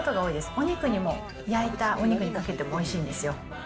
お肉にも、焼いたお肉にかけてもおいしいんですよ。